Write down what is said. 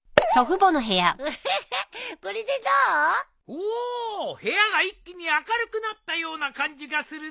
おーっ部屋が一気に明るくなったような感じがするぞ。